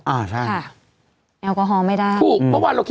อ้าใช่อัลกอฮอล์ไม่ได้